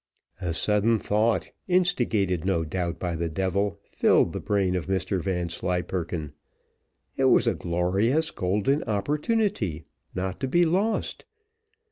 A sudden thought, instigated no doubt by the devil, filled the brain of Mr Vanslyperken. It was a glorious, golden opportunity, not to be lost.